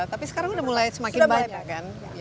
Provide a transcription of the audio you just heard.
tapi sekarang udah mulai semakin banyak kan